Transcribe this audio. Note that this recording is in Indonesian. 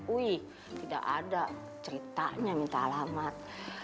wih tidak ada ceritanya minta alamat